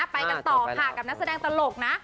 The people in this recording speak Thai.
ไปกันต่อค่ะกับนักแสดงตลกนะ